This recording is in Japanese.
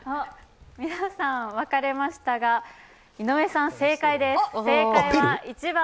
皆さん分かれましたが、井上さん正解です。